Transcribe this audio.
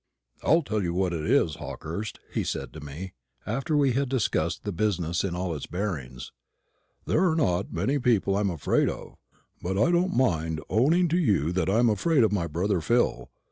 "I'll tell you what it is, Hawkehurst," he said to me, after we had discussed the business in all its bearings, "there are not many people I'm afraid of, but I don't mind owning to you that I am afraid of my brother Phil.